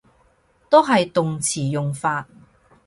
都係動詞用法